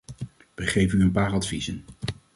Wij geven u een paar adviezen.